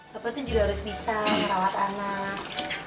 bapak tuh juga harus bisa merawat anak